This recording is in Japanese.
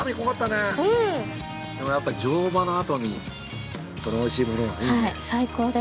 やっぱり乗馬のあとに、このおいしいものを飲んで。